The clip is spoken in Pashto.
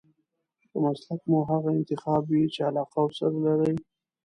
که مسلک مو هغه انتخاب وي چې علاقه ورسره لرئ.